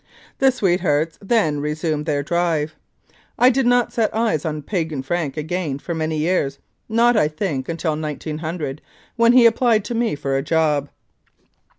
The sweethearts then resumed their drive. I did not set eyes on Piegan Frank again for many years, not, I think, until 1900, when he applied to me for a job.